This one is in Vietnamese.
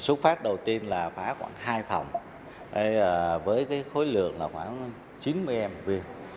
số phát đầu tiên là phá khoảng hai phòng với khối lượng khoảng chín mươi em viên